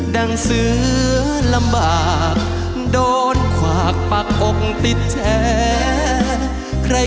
ดั่งเสื้อลำบากโดนขวากปากอกติดแช